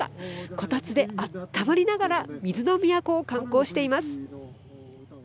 こたつであったまりながら水の都を観光しています。